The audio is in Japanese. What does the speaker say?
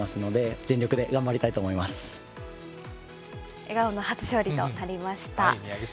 笑顔の初勝利となりました。